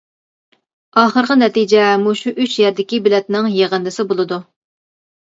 ئاخىرقى نەتىجە مۇشۇ ئۈچ يەردىكى بېلەتنىڭ يىغىندىسى بولىدۇ.